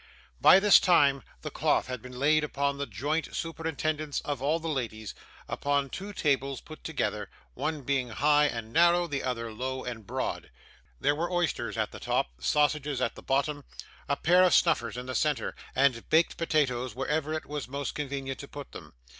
By this time the cloth had been laid under the joint superintendence of all the ladies, upon two tables put together, one being high and narrow, and the other low and broad. There were oysters at the top, sausages at the bottom, a pair of snuffers in the centre, and baked potatoes wherever it was most convenient to put them.